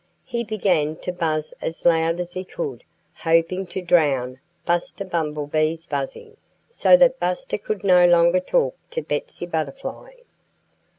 He began to buzz as loud as he could, hoping to drown Buster Bumblebee's buzzing, so that Buster could no longer talk to Betsy Butterfly.